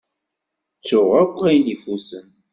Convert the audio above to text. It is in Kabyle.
Ttuɣ akk ayen ifuten.